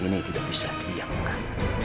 ini tidak bisa diangkat